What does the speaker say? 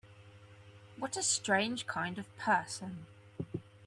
What a strange kind of person!